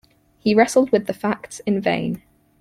He wrestled with the facts in vain.